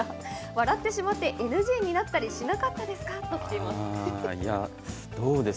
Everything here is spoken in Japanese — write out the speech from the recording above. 笑ってしまってＮＧになったりしなかったですか？」ときてます。